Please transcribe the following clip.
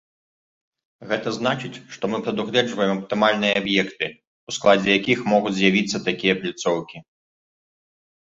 Гэта значыць, што мы прадугледжваем аптымальныя аб'екты, у складзе якіх могуць з'явіцца такія пляцоўкі.